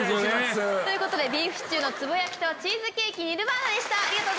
ビーフシチューのつぼ焼きとチーズケーキニルバーナでした。